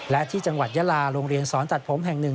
และที่จังหวัดยาลาโรงเรียนสอนตัดผมแห่งหนึ่ง